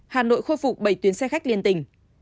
hà nội khôi phục bảy tuyến xe khách liên tỉnh